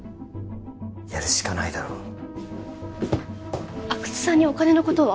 やるしかないだろ阿久津さんにお金のことは？